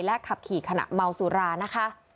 ขับขี่ขณะเมาสุรานะคะ